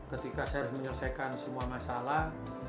ketika saya harus menyelesaikan semua masalah